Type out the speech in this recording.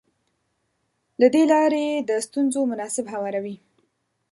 له دې لارې د ستونزو مناسب هواری.